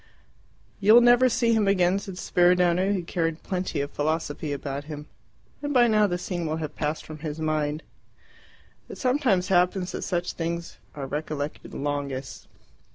"You will never see him again," said Spiridione, who carried plenty of philosophy about him. "And by now the scene will have passed from his mind." "It sometimes happens that such things are recollected longest.